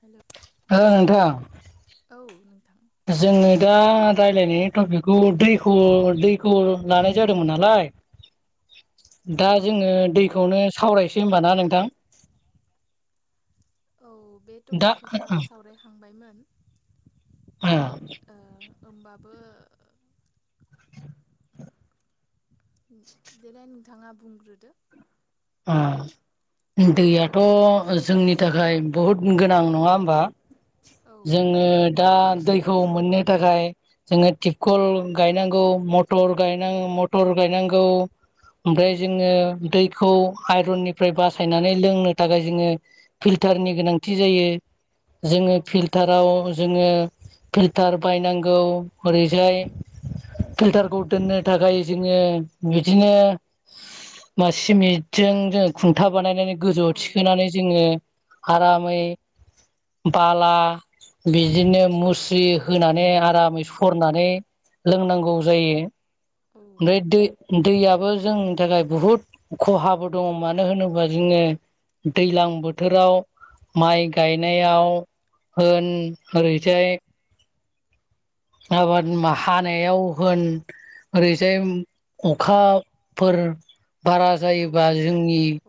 Hello औ नोंथां। औ नोंथां। जोङो दा रायलायनायनि टपिकखौ दैखौ दैखौ लानाय जादोंमोन नालाय। [inaudible] औ दा जोङो दैखौनो सावरायसै होमबा ना नोंथां? औ बे दा टपिकखौथ' ओ आं सावरायखांबायमोन। अ ओमबाबो देलाय नोंथाङा बुंग्रोदो। आ औ दैयाथ' जोंनि थाखाय बहुद गोनां नङा होमबा? औ जोङो दा दैखौ मोननो थाखाय जोङो टिपकल गायनांगौ, मटर गायनां मटर गाय नांगौ। औ ओमफ्राय जोङो दै खौ आइरननिफ्राय बासायनानै लोंनो थाखाय जोङो फिल्टारनि गोनांथि जायो। औ जोङो फिल्टाराव जोङो फिल्टार बायनांगौ। ओरैजाय फिल्टारखौ दोननो थाखाय जोङो बिदिनो बा सिमिटजों जोङो खुन्था बानायनानै गोजौआव औ थिखोनानै जोङो आरामै बाला बिदिनो मुस्रि होनानै आरामै सरनानै लोंनांगौ जायो। औ ओइ जोंनि थाखाय बुहुत खहाबो दङ मानो होनोबा जोङो दैज्लां बोथोराव माइ गायनायाव होन। ओरैजाय आबाद हानायाव होन। ओरैजाय उम अखाफोर बारा औ जायोबा जोंनि औ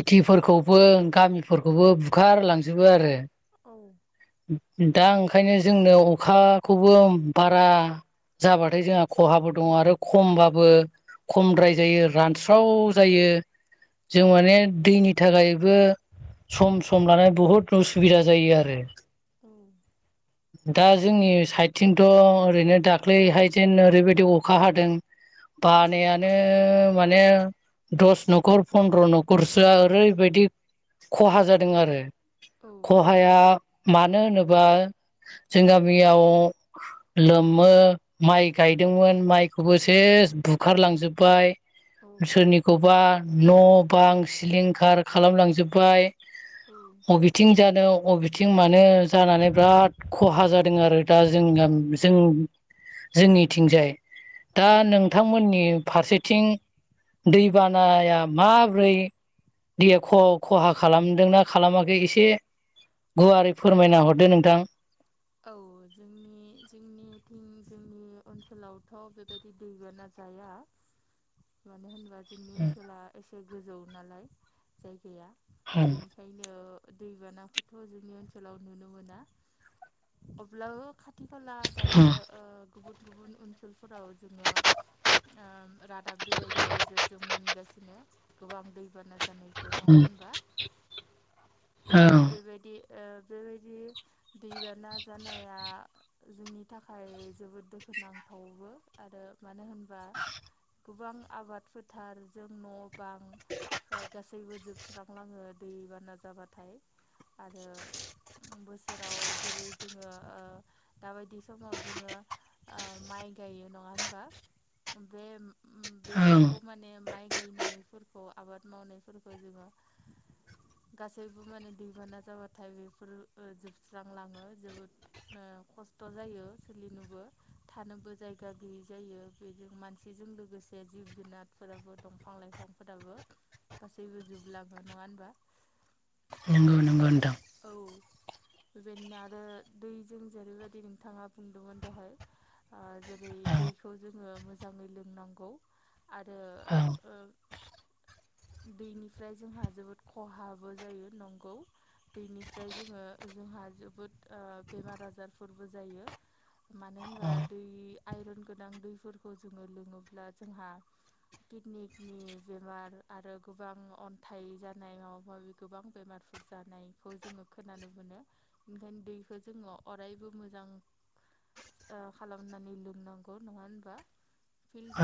सिटिफोरखौबो गामिफोरखौबो बुखारलांजोबो आरो। औ दा ओंखायनो जोंनो अखाखौबो बारा जाबाथाय जोंहा खहाबो दङ आरो खमबाबो खमद्राय जायो रानस्राव जायो। जों माने औ दैनि थाखाय बेबो सम सम लानानै बुहुद उसुबिदा जायो आरो। दा जोंनि साइदथिंथ' ओरैनो दाख्लैहाय जेन ओरैबायदि अखा हादों। बानायानो माने दस न'खर फन्द्र' न'खरसो ओरैबायदि खहा जादों आरो। खहाया मानो होनोबा जों गामियाव लोमो माइ गायदोंमोन माइखौबो से स बुखारलांजोब्बाय औ सोरनिखौबा न' बां सिलिंखार खालामलांजोब्बाय बबेथिं जादों अबेथिं मानो जानानै बिराद खहा जादों आरो दा जोंना जों जोंनिथिंजाय औ दा नोंथांमोननि फारसेथिं दैबानाया माब्रै दैया ख-खहा खालामदोंना खालामाखै एसे गुवारै फोरमायना हरदो नोंथां औ जोंनि जोंनिथिं जोंनि ओनसोलावथ' बेबायदि दैबाना जा जाया मानो होनबा जोंनि ओनसोला एसे गोजौ नालाय जायगाया ओं बेनिखायनो दैबानाखौथ' जोंनि ओनसोलाव नुनो मोना अब्लाबो खा थि खाला दायो ओ गुबुन गुबुन ओनसोलफोराव जोङो ओ रा दाब बिलाइनि गेजेरजों मोनगासिनो गोबां दैबाना जानाय बे नङा ओं होनबा आरो ओं बेबायदि बेबायदि दैबाना जानाया जोंनि थाखाय जोबोद दुखु नांथावबो आरो मानो होन [inaudible] गोबां आबाद फोथारजों न' बां गासैबो जोब सुस्रांलाङो दै बाना जाबाथाय आरो बोसोराव जेरै जोङो दाबायदि समाव जोङो माइ गायो नङा होनबा? बे ओं बेफोरखौ माने माइ गायनायफोरखौ आबाद मावनायफोरखौ जोङो गासैबो माने दैबाना जाबाथाय बेफोर जोबस्रांलाङो। जोबोद खस्थ' जायो सोलिनोबो थानोबो जायगा गैयि जायो बि मानसिजों लोगोसे जिब जुनारफोराबो दंफां लाइफांफोराबो। गासैबो जोबलाङो नङा होनबा नंगौ नंगौ नोंथां औ [inaudible] बेबायदिनो आरो दैजों जेरैबायदि नोंथाङा बुंदोंमोन दहाय जेरै दैखौ जोङो मोजाङै लोंनांगौ आरो ओं ओं ओ दैनिफ्राय जोंहा जोबोद खहाबो जायो नंगौ दैनिफ्राय जोङो जोंहा जोबोद बेमार आजारफोरबो जायो मानो होनबा ओं दै आइरन गोनां दैफोरखौ जोङो लोङोब्ला जोंहा किडनिनि बेमार आरो गोबां अन्थाइ जानाय माबा माबि गोबां बेमार फोर जानाय खौ जोंङो खोनानो मोनो ओंखायनो दैखौ जोंङो अरायबो मोजां ओ खालामनानै लोंनांगौ नंङा होनबा?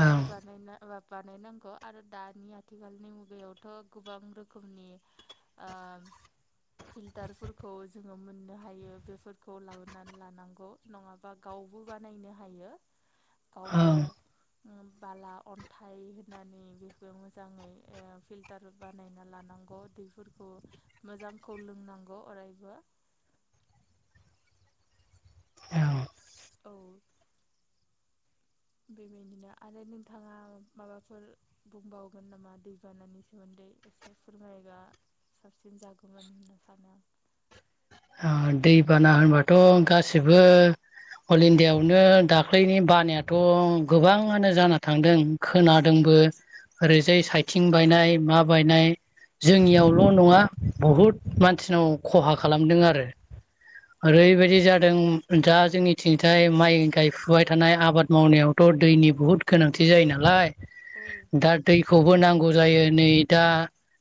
ओं बानायना ओ बानायनांगौ आरो दानि आथिखालनि मुगायावथ' गोबां रोखोमनि ओ फिल्टारफोरखौ जोंङो मोननो हायो बेफोरखौ लाबोनानै लानांगौ नंङाबा गाव बो बानायनो हायो गावबो ओं बाला अन्थाइ होनानै बेखौ मोजांङै फिलटार बानायना लानो नांगौ दैफोरखौ मोजांखौ लोंनांगौ अरायबो ओं औ बेबायदिनो आरो नोंथांङा माबाफोर बुंबावगोन नामा दैबानानि सोमोन्दै? एसे फोरमायबा साबसिन जागौमोन होनना सानो आं। ओ दैबाना होनबाथ' गासिबो अल इण्डियाआवनो दाख्लैनि बानायाथ' गोबांङानो जाना थांदों खोनादों बो ओरैजाय साइथिं बायनाय मा बायनाय जोंनियावल' नंङा बहुत मानसिनाव खहा खालामदों आरो रो औ ओरैबायदि नंगौ जादों दा जोंनि थिंजाय माइ गायफुबाय थानाय आबाद मावनायावथ' दैनि बुहुद गोनांथि जायो नालाय औ दा दैखौबो नांगौ जायो नै दा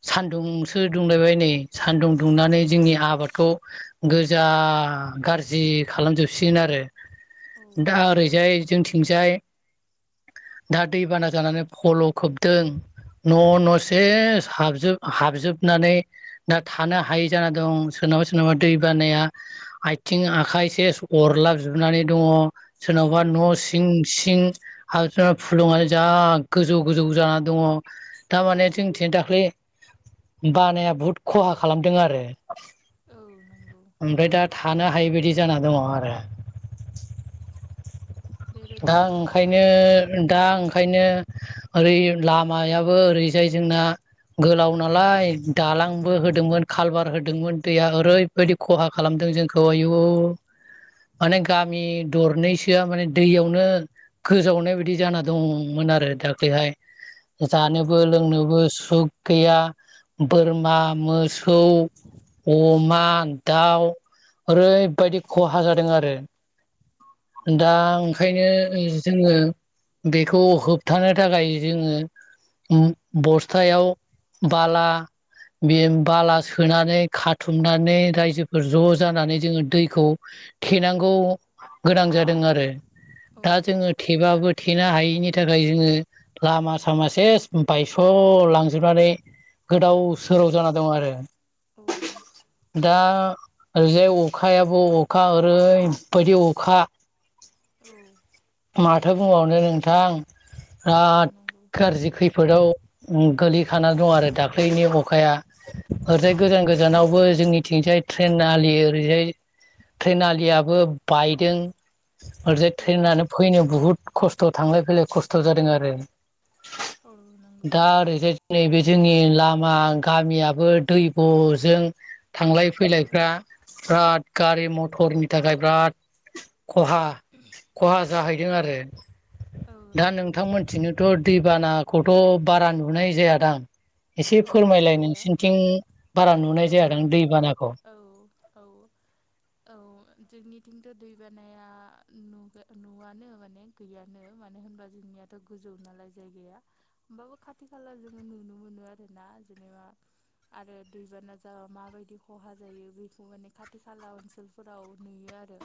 सान्दुंसो दुंलायबाय नै सान्दुं दुंनानै जोंनि आबादखौ गोजा गारजि खालामजोबसिगोन आरो औ दा ओरैजाय जोंथिं जाय दा दैबाना जानानै फल' खोबदों न' औ न' सेस हाबजोब हाबजोबनानै दा थानो हायै जाना दं सोरनाबा सो नाबा दै बानाया आइथिं आखाइ सेस अरलाबजोबनानै दंङ। सोरनावबा औ न' सिं सिं हास्रा फुलुंङा जा गोजौ गोजौ जाना दंङ थारमाने औ जोंथिं दाख्लै बानाया बहुत खहा खालामदों आरो औ नंगौ ओमफ्राय दा था थानो हायि बायदि जाना दंङ आरो दा बेबायदिनो गुबुन ओंखायनो औ दा ओंखायनो ओरै लामायाबो ओरैजाय जोंना गोलाव नालाय दालांबो होदोंमोन कालबार होदोंमोन दैया ओरैबायदि खहा खालामदों जोंखौ आयु माने गामि दरनैसोआ माने दैयावनो गोजावनाय बायदि जाना दंमोन आरो दाख्लैहाय औ जानोबो लोंनोबो सु सुग गैया बोरमा मोसौ अमा दाउ ओरैबायदि खहा बायदि जादों खहा आरो दा औ ओंखायनो जोंङो बेखौ होबथानो थाखाय जोंङो उम बस्थायाव बाला बे बाला सोनानै खा थुमनानै रायजोफोर ज' जानानै जोंङो दैखौ थेनांगौ गोनां जादों आरो औ दा जोंङो थेबाबो थे थेनो हायैनि थाखाय जोंङो लामा सामा सेस बायस' लांजोबनानै गोदाव सोराव जाना दंङ आरो औ दा ओरैजाय अखायाबो अखा ओरैबायदि अखा औ माथो बुंबावनो नोंथां औ बिराद नंगौ गाज्रि खैफोदाव उम गोलै थाना दं आरो दाख्लैनि अखाया ओरैजाय गोजान गोजानाव बो जोंनिथिंजाय ट्रेन आलि ओरैजाय ट्रेन आलियाबो बायदों। ओरैजाय औ ट्रेनानो फैनो बुहुद खस्थ' थांलाय फैलाय खस्थ' जादों आरो। औ नंगौ दा ओरैजाय नैबे जोंनि लामा गामियाबो दैब' जों थांलाय औ फैलायफ्रा बिराद गारि मथरनि थाखाय बिराद खहा खहा जाहैदों आरो। औ दा नंगौ नोंथांमोननिथिंजायथ' दैबानाखौथ' बारा नुनाय जायादां? एसे औ फोरमायलाय गैया नोंसिनिथिं बारा नुनाय जाया औ औ औ‌ जोंनिथिंबो थिंथ' दै बानाया नुगो नुआनो माने गैयानो मानो होनबा जोंनियाथ' गो जौ नालाय जायगाया ओमबाबो खाथि खाला जोङो नुनो मोनो आरोना जेनेबा आरो दैबाना जाबा माबायदि खहा जायो बेखौ माने खाथि खाला ओनसोलफोराव नुयो। आरो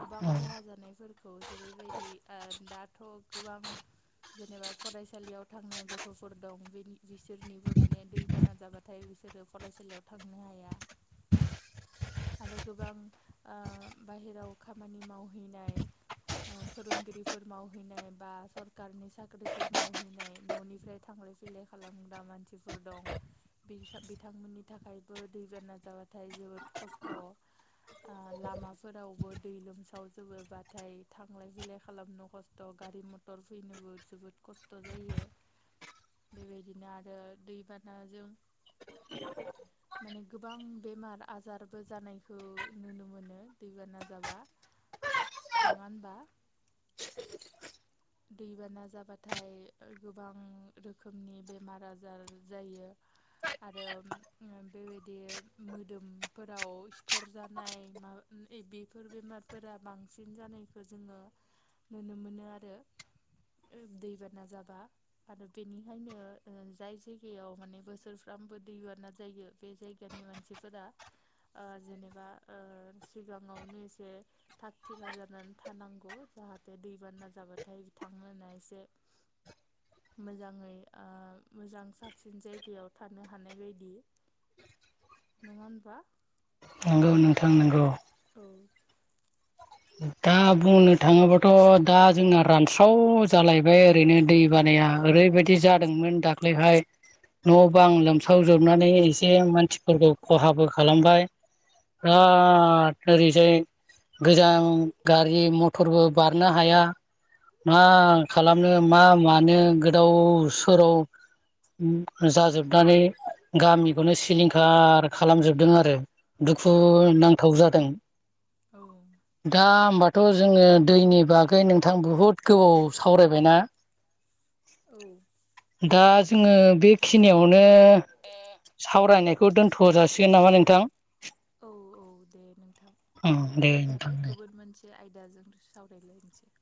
गोबां खहा जानायफोरखौ जेरैबायदि ओ दा थ' गोबां जेनेबा फरायसालियाव थांनाय गथ'फोर दं बिनि बिस सोरनिबो माने दैबाना जाबाथाय बिसोरो फरायसालियाव थांनो हाया। आरो गोबां ओ बाहेराव खामानि मावहैनाय ओ फोरोंगिरिफोर मावहैनाय बा सरकारनि साक्रिफोर मावहैनाय न'निफ्राय थां फैलाय खालाम ग्रा मानसिफोर दं बिस बिथांमोननि थाखायबो दैबाना जाबाथाय जोबोद खस्थ' ओ लामाफोरावबो दै लोमसावजोबोबाथाय थांलाय फैलाय खालामनो खस्थ' गारि मटर फैनोबो जोबोद कस्त' जायो बेबायदिनो आ ओ दैबानाजों [unintelligible] माने गोबां बेमार आजारबो जानायखो नुनो मोनो दैबाना जाबा। नङा होनबा दैबाना जाबाथाय गोबां रोखोमनि बेमार आजार जायो। आरो ओम बेबायदि मोदोमफोराव सिथर जानाय मा बेफोर बेमारफोरा बांसिन जानायखो जोङो नुनो मोनोआरो। [unintelligible] ओ दैबाना जाबा आरो बेनिखायनो ओ जाय जायगायाव माने बोसोरफ्रामबो दैबाना जायो बे जायगानि मानसिफोरा ओ जेनेबा ओ सिगाङावनो इसे थाग थिगा जानानै थानांगौ। जाहाथे दैबाना जाबाथाय बिथांमोना एसे मोजाङै ओ मोजां साबसिन जायगायाव थानो हानाय बायदि [unintelligible] नङा ओमबा नंगौ नोंथां नोंगौ ओ दा बुंनो थाङोबाथ' दा जोंना रानस्राव जालायबाय ओरैनो दै बानाया ओरैबायदि जादोंमोन दाख्लैहाय न' बां लोमसावजोबनानै इसे मानसिफोरखौ खहाबो खालामबाय। औ बिराद ओरैजाय गोजां गारि मथरबो बारनो हाया। मा खालामनो मा मानो गोदाव सोराव उम जाजोबनानै गामिखौनो सिलिंखार खालामजोबदों आरो। दुखु नांथाव जादों। औ दा ओमबाथ' जोङो दैनि बागै नोंथां बुहुद गोबाव सावरायबायना? औ दा जोङो बिखिनियावनो सावरायनायखौ दोनथ' जासिगोन नामा नोंथां? औ औ दे नोंथां ओम दे समाबो नोंथां जाबाय दे। गोबोद मोनसि बे आयदाजों सावरायलायनोसै।